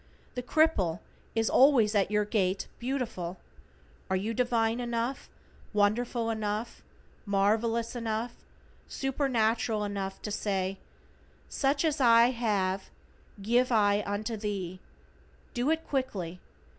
The cripple is always at your Gate Beautiful. Are you divine enough, wonderful enough, marvelous enough, supernatural enough to say: "Such as I HAVE, GIVE I unto thee"? Do it quickly.